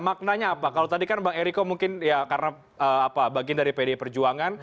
maknanya apa kalau tadi kan bang eriko mungkin ya karena bagian dari pdi perjuangan